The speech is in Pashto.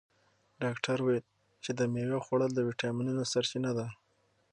ډاکتر وویل چې د مېوې خوړل د ویټامینونو سرچینه ده.